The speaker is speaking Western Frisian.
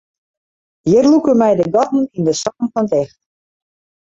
Hjir lûke my de gatten yn de sokken fan ticht.